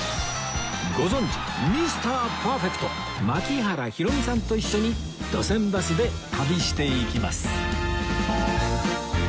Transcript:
ご存じミスターパーフェクト槙原寛己さんと一緒に路線バスで旅していきます